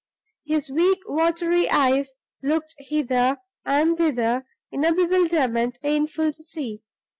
His weak, watery eyes looked hither and thither in a bewilderment painful to see.